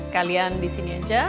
kalian di sini aja